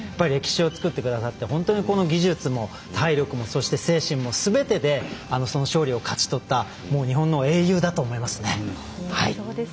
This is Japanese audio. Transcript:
歴史を作ってくださって本当に技術も体力も、そして精神もすべてで勝利を勝ち取った日本の英雄だと思いますね。